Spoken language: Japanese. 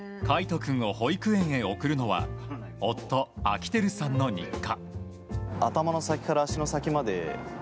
君を保育園へ送るのは夫・昭輝さんの日課。